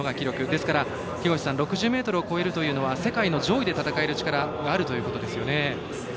ですから、６０ｍを越えるというのは世界の上位に戦える力があるということですよね。